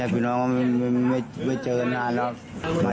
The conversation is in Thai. ย่าพี่น้องไม่เจอกันนานแล้ว